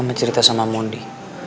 mama cerita sama mondi